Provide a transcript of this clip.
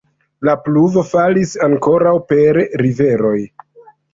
La pluvo falis ankoraŭ per riveroj.